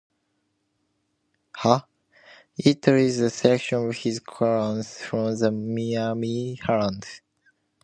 It is a selection of his columns from the "Miami Herald".